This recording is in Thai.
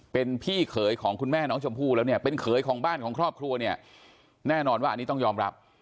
เป็นพี่เขยของคุณแม่น้องชมพู่แล้วเนี่ยเป็นเขยของบ้านของครอบครัวเนี่ยแน่นอนว่าอันนี้ต้องยอมรับ